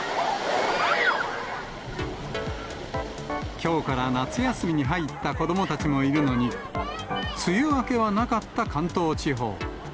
きょうから夏休みに入った子どもたちもいるのに、梅雨明けはなかった関東地方。